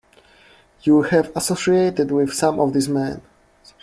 You have associated with some of these men.